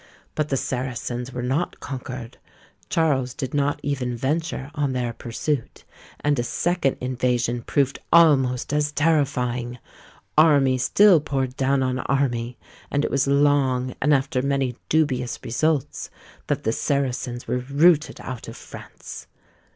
But the Saracens were not conquered; Charles did not even venture on their pursuit; and a second invasion proved almost as terrifying; army still poured down on army, and it was long, and after many dubious results, that the Saracens were rooted out of France.